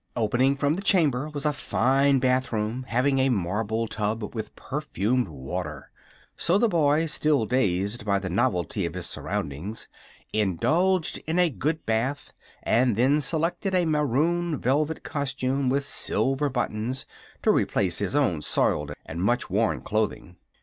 Opening from the chamber was a fine bath room having a marble tub with perfumed water; so the boy, still dazed by the novelty of his surroundings, indulged in a good bath and then selected a maroon velvet costume with silver buttons to replace his own soiled and much worn clothing.